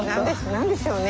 何でしょうね。